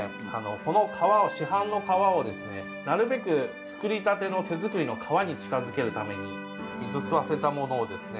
この皮を、市販の皮をですねなるべく作りたての手作りの皮に近づけるために水を吸わせたものをですね